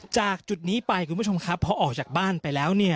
จากจุดนี้ไปคุณผู้ชมครับพอออกจากบ้านไปแล้วเนี่ย